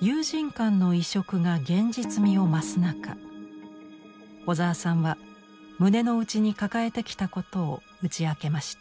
友人間の移植が現実味を増す中小沢さんは胸の内に抱えてきたことを打ち明けました。